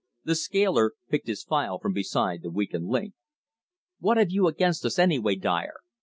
The scaler picked his file from beside the weakened link. "What have you against us, anyway, Dyer?"